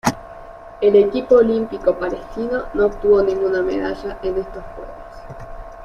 El equipo olímpico palestino no obtuvo ninguna medalla en estos Juegos.